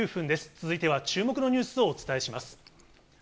続いては注目のニュースをお伝えします。